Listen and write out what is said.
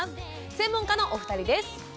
専門家のお二人です。